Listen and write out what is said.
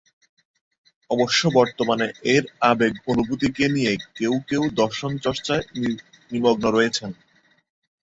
অবশ্য বর্তমানে এর আবেগ-অনুভূতিকে নিয়ে কেউ কেউ দর্শনচর্চায় নিমগ্ন রয়েছেন।